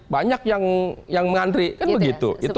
banyak yang mengantri kan begitu